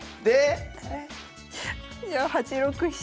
じゃあ８六飛車。